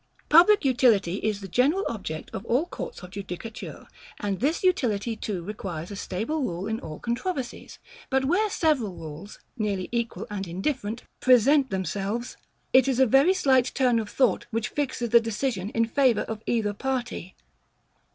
Public utility is the general object of all courts of judicature; and this utility too requires a stable rule in all controversies: but where several rules, nearly equal and indifferent, present themselves, it is a very slight turn of thought which fixes the decision in favour of either party.